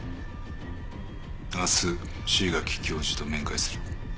明日椎垣教授と面会する。